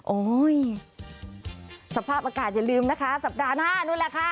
โอ้ยสภาพอากาศอย่าลืมนะคะสัปดาห์หน้านู้นแหละค่ะ